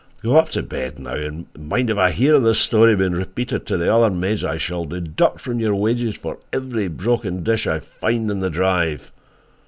Go up to bed now; and mind, if I hear of this story being repeated to the other maids, I shall deduct from your wages for every broken dish I find in the drive."